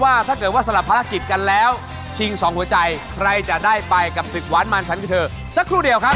ถ้าเกิดว่าสลับภารกิจกันแล้วชิงสองหัวใจใครจะได้ไปกับศึกหวานมันฉันคือเธอสักครู่เดียวครับ